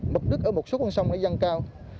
mục đích ở một số con sông này dăng cao